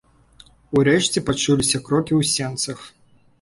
Урэшце пачуліся крокі ў сенцах.